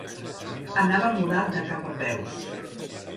Anava mudat de cap a peus.